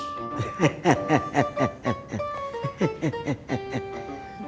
bagi bagi motor baru gratis